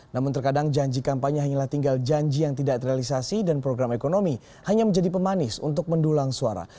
namun terkadang janji kampanye hanyalah tinggal janji yang tidak terrealisasi dan program ekonomi hanya menjadi pemanis untuk mendulang suara